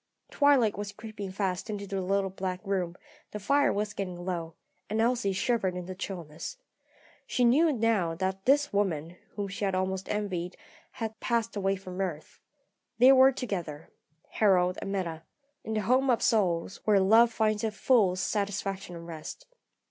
Twilight was creeping fast into the little back room; the fire was getting low, and Elsie shivered in the chillness. She knew now that this woman, whom she had almost envied, had passed away from earth. They were together Harold and Meta in the home of souls, where love finds its full satisfaction and rest.